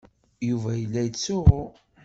Yuba yella yettsuɣu.